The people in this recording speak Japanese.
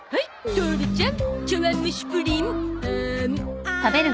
トオルちゃん